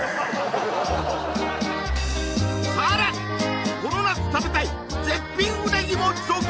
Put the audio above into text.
さらにこの夏食べたい絶品うなぎも続々！